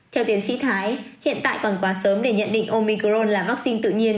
theo tiến sĩ thái hiện tại còn quá sớm để nhận định omicron là vaccine tự nhiên